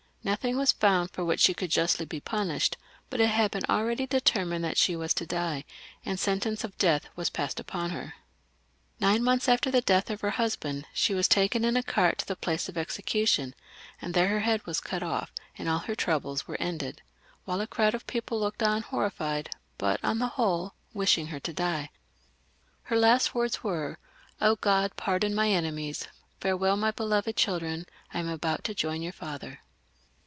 Nothing was found for which she 414 THE REVOLUTION. [CH. coald justly be panished, but it had been already settled that she was to die, and sentence of death was passed upon her. Nine months, after the death of her husband, she was taken in a cart to the place of execution, and there her head was cut ofif, and all her many troubles were ended ; while a crowd of people looked on, horrified, but, on the whole, wishing her to die. Her last words were :" Grod, pardon my enemies; farewell, my beloved chil dren, I am about to join your father."